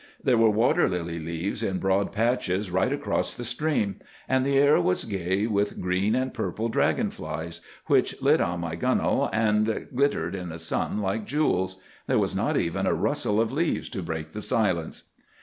There were water lily leaves in broad patches right across the stream; and the air was gay with green and purple dragon flies, which lit on my gunwale, and glittered in the sun like jewels. There was not even a rustle of leaves to break the silence.